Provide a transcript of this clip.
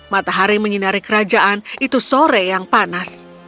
matahari menyinari kerajaan itu sore yang panas